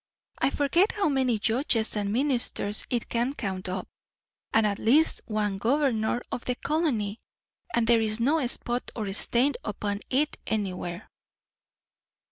I forget how many judges and ministers it can count up; and at least one governor of the colony; and there is no spot or stain upon it anywhere."